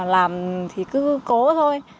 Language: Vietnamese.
làm thì cứ cố thôi